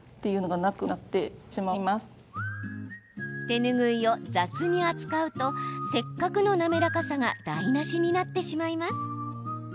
手ぬぐいを雑に扱うとせっかくの滑らかさが台なしになってしまいます。